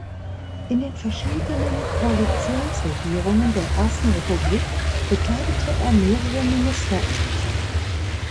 In den verschiedenen Koalitionsregierungen der Ersten Republik bekleidete er mehrere Ministerämter.